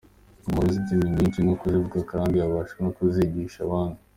Ni umuntu uba uzi indimi nyinshi no kuzivuga kandi abasha no kuzigisha abandi.